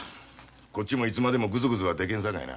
こっちもいつまでもグズグズはでけんさかいな。